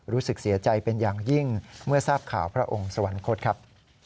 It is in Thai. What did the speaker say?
รู้สึกเสียใจเป็นอย่างยิ่งเมื่อทราบข่าวพระองค์สวรรคตครับ